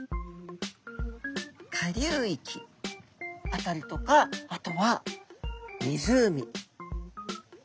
下流域辺りとかあとは湖。